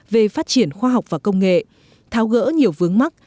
về phát triển khoa học và công nghệ tháo gỡ nhiều vướng mắt